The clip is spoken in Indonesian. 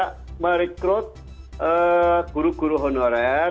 kita merekrut guru guru honorer